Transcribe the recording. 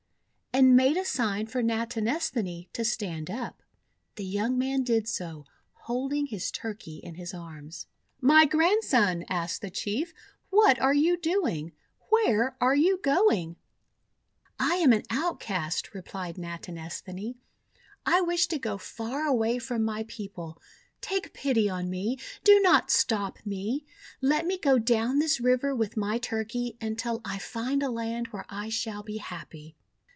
and made a sign for Natinesthani to stand up. The young man did so, holding his Turkey in his arms. 362 THE WONDER GARDEN :<My Grandson," asked the Chief, 'what are you doing? Where are you going?' 'I am an outcast," replied Natinesthani. 'I wish to go far away from my people. Take pity on me! Do not stop me! Let me go down this river with my Turkey, until I find a land where I shall be happy."